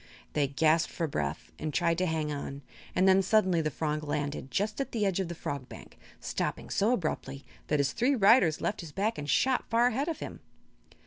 They gasped for breath and tried to hang on, and then suddenly the frog landed just at the edge of the Fog Bank, stopping so abruptly that his three riders left his back and shot far ahead of him.